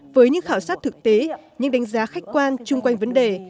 với những khảo sát thực tế những đánh giá khách quan chung quanh vấn đề